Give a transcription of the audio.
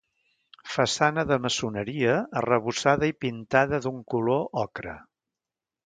Façana de maçoneria, arrebossada i pintada d'un color ocre.